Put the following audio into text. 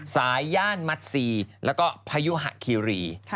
ย่านมัสซีแล้วก็พยุหะคีรี